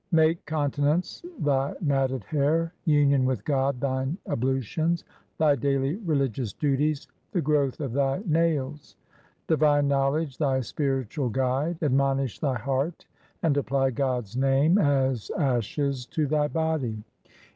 Make continence thy matted hair, union with God thine ablutions, thy daily religious duties the growth of thy nails, Divine knowledge thy spiritual guide ; admonish thy heart and apply God's name as ashes to thy body.